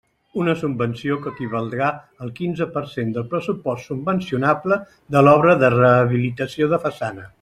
Una subvenció que equivaldrà al quinze per cent del pressupost subvencionable de l'obra de rehabilitació de façana.